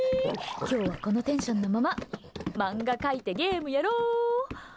今日は、このテンションのまま漫画描いて、ゲームやろ。